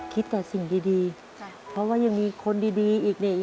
คิดแต่สิ่งดีเพราะว่ายังมีคนดีอีกเนี่ย